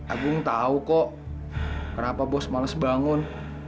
agung tahu kok kenapa bos males bangun